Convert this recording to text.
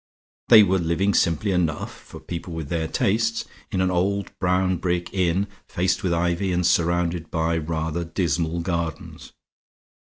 They were living simply enough, for people with their tastes, in an old brown brick inn faced with ivy and surrounded by rather dismal gardens.